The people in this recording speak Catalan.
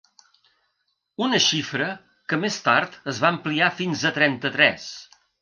Una xifra que més tard es va ampliar fins a trenta-tres.